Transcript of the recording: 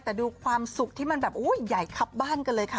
แต่ดูความสุขที่มันแบบใหญ่ครับบ้านกันเลยค่ะ